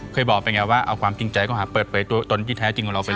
เคยบอกไปไงว่าเอาความจริงใจเขาหาเปิดเผยตัวตนที่แท้จริงของเราไปเลย